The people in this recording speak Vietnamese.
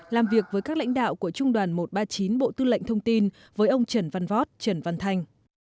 làm việc với các lãnh đạo của trung đoàn một trăm ba mươi chín bộ tư lệnh thông tin với ông trần văn vót trần văn thanh